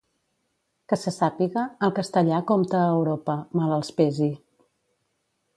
Que se sàpiga, el castellà compta a Europa, mal els pesi.